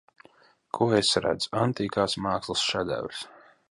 Ko es redzu Antīkās mākslas šedevrs.